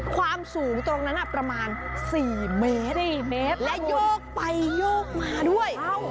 ความสูงตรงนั้นประมาณ๔เมตรเมตรและโยกไปโยกมาด้วย